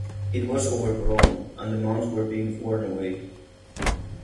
It was overgrown and the mounds were being worn away.